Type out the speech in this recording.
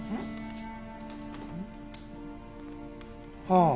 ああ。